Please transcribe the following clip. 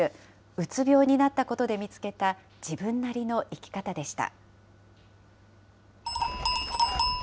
うつ病になったことで見つけた、自分なりの生き方でした。